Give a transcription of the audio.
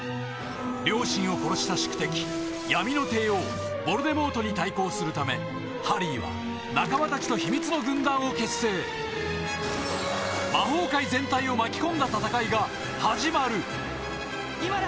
両親を殺した宿敵闇の帝王ヴォルデモートに対抗するためハリーは仲間たちと秘密の軍団を結成魔法界全体を巻き込んだ戦いが始まる今だ！